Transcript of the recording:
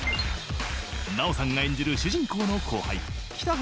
［奈緒さんが演じる主人公の後輩北原